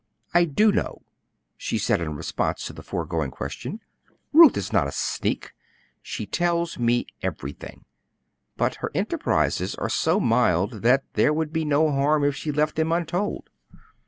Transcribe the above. "I do know," she said in response to the foregoing question. "Ruth is not a sneak, she tells me everything; but her enterprises are so mild that there would be no harm if she left them untold.